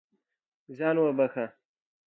ځان وبښه.